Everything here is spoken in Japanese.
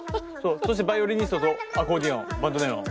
そしてバイオリニストとアコーディオン。